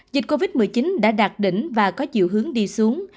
dịch covid một mươi chín đã đạt đỉnh và có chiều hướng đi xuống